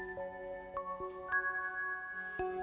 bukan kau berdaya sendiri